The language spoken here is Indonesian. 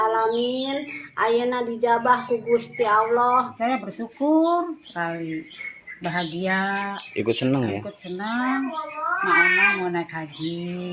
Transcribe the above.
saya bersyukur bahagia ikut senang maaf maaf mau naik haji